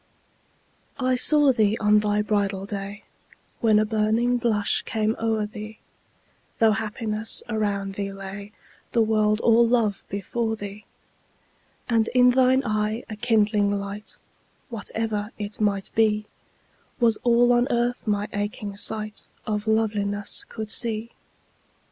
I saw thee on thy bridal day When a burning blush came o'er thee, Though happiness around thee lay, The world all love before thee: And in thine eye a kindling light (Whatever it might be) Was all on Earth my aching sight Of Loveliness could see.